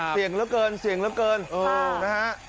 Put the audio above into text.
เสียงเหลือเกินเสียงเหลือเกิน